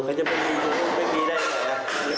เขาจะไม่มีอยู่ไม่มีได้แห่ง